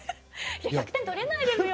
いや１００点取れないですよ。